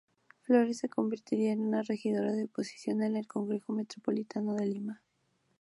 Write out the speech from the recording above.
Flores se convertiría en regidora de oposición en el Concejo Metropolitano de Lima.